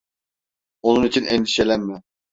Onun için endişelenme.